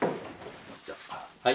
はい。